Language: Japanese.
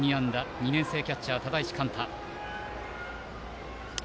２年生キャッチャーの只石貫太。